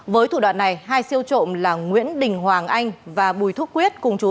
với thủ đoạn này hai siêu trộm là nguyễn đình hoàng anh và bùi thúc quyết cùng chú